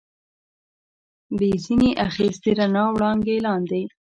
به یې ځنې اخیست، د رڼا وړانګې لاندې.